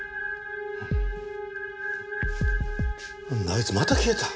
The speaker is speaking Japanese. あいつまた消えた。